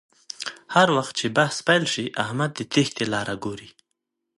هر وخت چې بحث پیل شي احمد د تېښتې لاره گوري